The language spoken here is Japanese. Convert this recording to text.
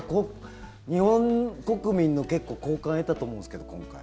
日本国民の結構、好感を得たと思うんですけど、今回。